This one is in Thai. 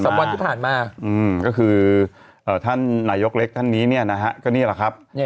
วันที่ผ่านมาก็คือท่านนายกเล็กท่านนี้เนี่ยนะฮะก็นี่แหละครับ